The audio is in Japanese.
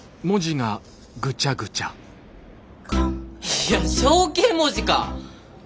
いや象形文字か！